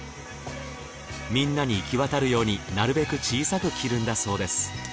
みんなにいきわたるようになるべく小さく切るんだそうです。